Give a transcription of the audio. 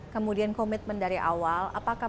kemudian komitmen dari awal apakah